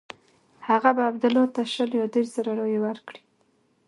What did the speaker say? هغه به عبدالله ته شل یا دېرش زره رایې ورکړي.